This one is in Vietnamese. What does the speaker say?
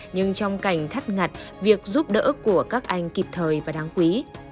nhưng trong cảnh thắt ngặt việc giúp đỡ của các anh kịp thời và đáng quý